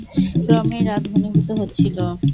ক্রমেই রাত ঘনীভূত হচ্ছিল।